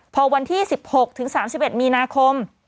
พอวันที่๑๖ถึง๓๑มีนาคม